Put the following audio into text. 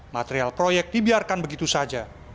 material proyek dibiarkan begitu saja